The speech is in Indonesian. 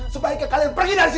sebaiknya kalian pergi dari sini